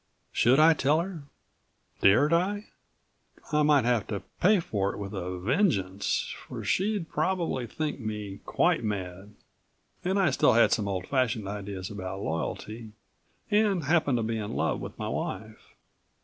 Should I tell her, dared I? I might have to pay for it with a vengeance, for she'd probably think me quite mad. And I still had some old fashioned ideas about loyalty and happened to be in love with my wife.